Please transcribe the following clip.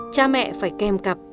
cha mẹ phải kèm cặp